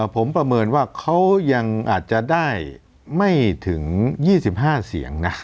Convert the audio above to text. ผมประเมินว่าเขายังอาจจะได้ไม่ถึง๒๕เสียงนะ